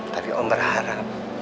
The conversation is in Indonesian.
tapi om berharap